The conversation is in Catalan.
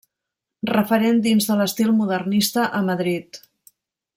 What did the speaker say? Referent dins de l'estil modernista a Madrid.